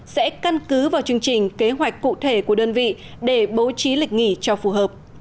sẽ căn cứ vào chương trình kế hoạch cụ thể của đơn vị để bố trí lịch nghỉ cho phù hợp